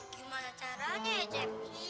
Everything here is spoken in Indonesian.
gimana caranya ya cepi